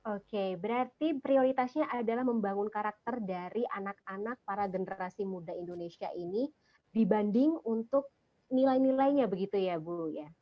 oke berarti prioritasnya adalah membangun karakter dari anak anak para generasi muda indonesia ini dibanding untuk nilai nilainya begitu ya bu ya